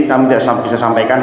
kami tidak bisa sampaikan